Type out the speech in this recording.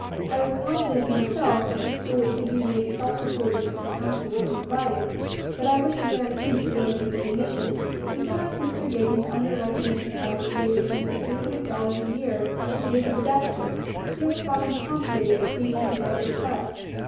I was confident, myself, that the school could be made self supporting if the premises were provided, but I wished a guarantee to lay before the mission, and so asked Mr. Dayton to underwrite the enterprise to the extent of three hundred dollars a year, in case of a deficit. He responded promptly, acceding to both requests.